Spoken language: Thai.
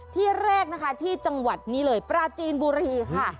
ที่แรกนะคะที่จังหวัดนี้เลยปราจีนบุรีค่ะ